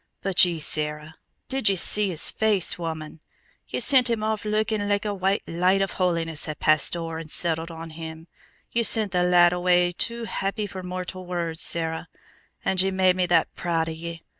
But ye, Sarah! Did ye see his face, woman? Ye sent him off lookin' leke a white light of holiness had passed ower and settled on him. Ye sent the lad away too happy for mortal words, Sarah. And ye made me that proud o' ye!